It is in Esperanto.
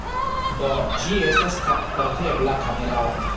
Do, ĝi estas kapportebla kamerao.